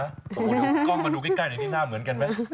โอ้โฮเดี๋ยวดูกล้องมาดูใกล้หน่อยที่หน้าเหมือนกันไหม